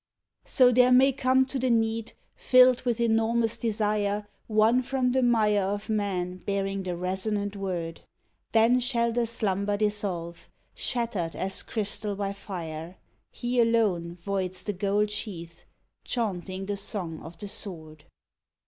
So there may come to the need, filled with enormous de sire, One from the mire of men bearing the resonant word, Then shall the slumber dissolve, shattered as crystal by fire, He alone voids the gold sheath, chaunting the song of the sword.